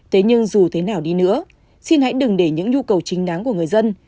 thế nhưng dù thế nào đi nữa xin hãy đừng để những nhu cầu chính đáng của người dân